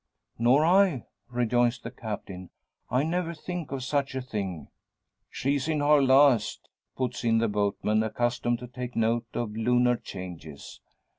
"Nor I," rejoins the Captain. "I never think of such a thing." "She's in her last," puts in the boatman, accustomed to take note of lunar changes.